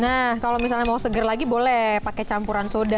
nah kalau misalnya mau seger lagi boleh pakai campuran soda